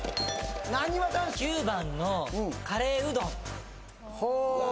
なにわ男子９番のカレーうどんほう